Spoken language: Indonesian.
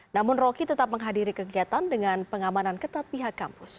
namun roky tetap menghadiri kegiatan dengan pengamanan ketat pihak kampus